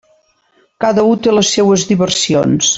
Cada u té les seues diversions.